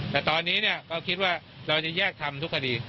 แต่ตอนนี้ก็คิดว่าเราจะแยกทำทุกคดี